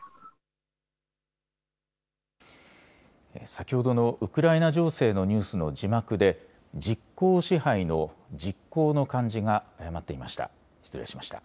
先ほどのウクライナ情勢のニュースの字幕で実効支配の実効の漢字が誤っていました。